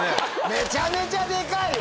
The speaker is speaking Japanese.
めちゃめちゃデカいわ！